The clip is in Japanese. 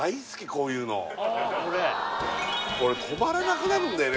こういうの止まらなくなるんだよね